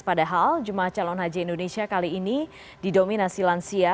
padahal jemaah calon haji indonesia kali ini didominasi lansia